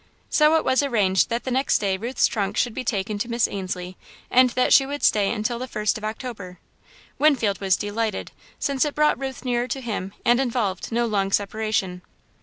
So it was arranged that the next day Ruth's trunk should be taken to Miss Ainslie's, and that she would stay until the first of October. Winfield was delighted, since it brought Ruth nearer to him and involved no long separation.